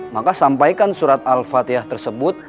maka sampaikan surat al fatihah tersebut